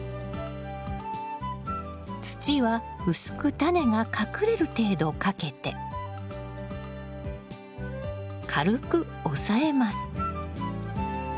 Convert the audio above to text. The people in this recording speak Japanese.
土は薄くタネが隠れる程度かけて軽く押さえます。